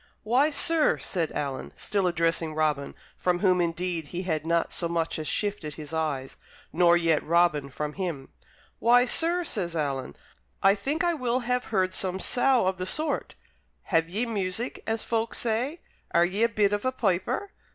"Why, sir," said Alan, still addressing Robin, from whom indeed he had not so much as shifted his eyes, nor yet Robin from him, "why, sir," says Alan, "I think I will have heard some sough of the sort. Have ye music, as folk say? Are ye a bit of a piper?"